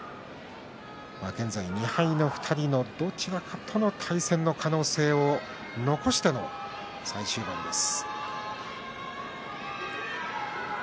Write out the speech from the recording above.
現在２敗の２人のどちらかとの対戦の可能性を残しての最終盤です。